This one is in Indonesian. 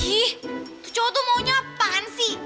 itu cowo tuh maunya apaan sih